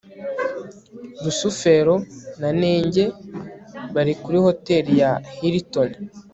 rusufero na nenge bari kuri hotel ya hilton